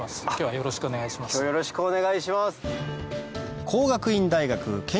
よろしくお願いします。